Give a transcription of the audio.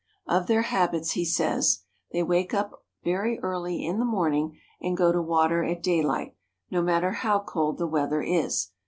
Of their habits he says, "They wake up very early in the morning and go to water at daylight, no matter how cold the weather is.